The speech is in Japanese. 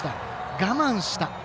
我慢した。